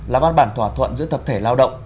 là văn bản thỏa thuận giữa tập thể lao động